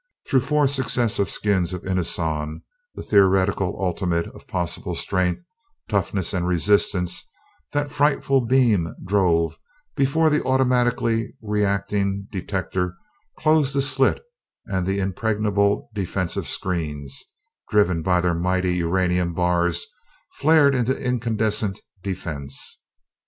Through four successive skins of inoson, the theoretical ultimate of possible strength, toughness, and resistance, that frightful beam drove before the automatically reacting detector closed the slit and the impregnable defensive screens, driven by their mighty uranium bars, flared into incandescent defense.